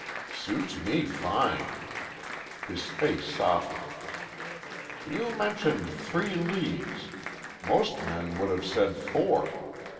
"Suits me fine." His face softened. "You mentioned three leads. Most men would have said four.